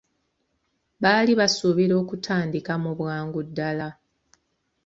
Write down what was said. Baali basuubira okutandika mu bwangu ddala.